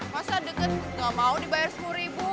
masa deket gak mau dibayar sepuluh ribu